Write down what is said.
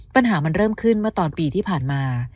ปัญหามันเริ่มขึ้นเมื่อตอนปีที่ผ่านมา